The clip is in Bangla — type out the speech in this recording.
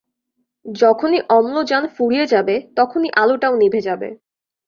যখনই অম্লজান ফুরিয়ে যাবে, তখনই আলোটাও নিবে যাবে।